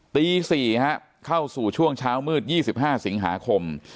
ตี๔เข้าสู่ช่วงเช้ามืด๒๕สิงหาคม